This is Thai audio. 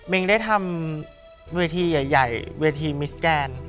งได้ทำเวทีใหญ่เวทีมิสแกน